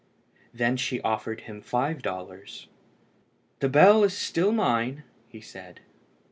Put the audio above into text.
She then offered him five dollars. "The bell is still mine," said he.